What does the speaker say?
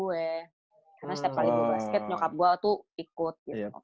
karena setiap kali gue basket nyokap gue itu ikut